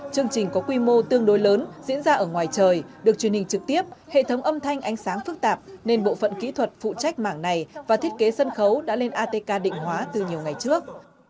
chương trình có quy mô tương đối lớn diễn ra ở ngoài trời được truyền hình trực tiếp hệ thống âm thanh ánh sáng phức tạp nên bộ phận kỹ thuật phụ trách mảng này và thiết kế sân khấu đã lên atk định hóa từ nhiều ngày trước